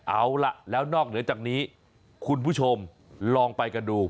เอาล่ะแล้วนอกเหนือจากนี้คุณผู้ชมลองไปกันดู